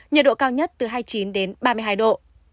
nhiệt độ cao nhất từ hai mươi chín đến ba mươi hai độ